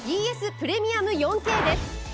プレミアム４Ｋです。